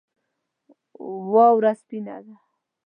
واوره سپینه ده